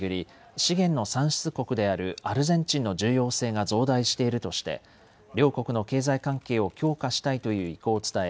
資源の産出国であるアルゼンチンの重要性が増大しているとして両国の経済関係を強化したいという意向を伝え